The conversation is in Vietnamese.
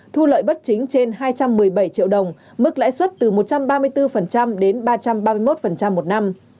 thu lợi bất chính trên hai trăm một mươi bảy triệu đồng mức lãi suất từ một trăm ba mươi bốn đến ba trăm ba mươi một một năm